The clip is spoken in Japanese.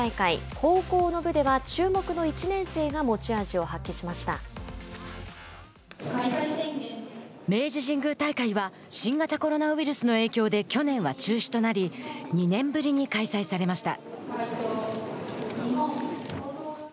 高校の部では注目の１年生が明治神宮大会は新型コロナウイルスの影響で去年は中止となり２年ぶりに開催されました。